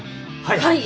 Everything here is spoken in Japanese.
はい。